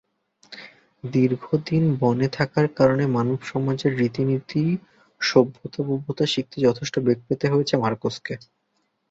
দীর্ঘদিন বনে থাকার কারণে মানবসমাজের রীতিনীতি, সভ্যতা-ভব্যতা শিখতে যথেষ্ট বেগ পেতে হয়েছে মারকোসকে।